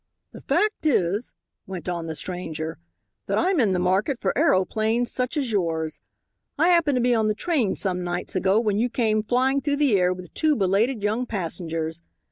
"The fact is," went on the stranger, "that I'm in the market for aeroplanes such as yours. I happened to be on the train some nights ago when you came flying through the air with two belated young passengers.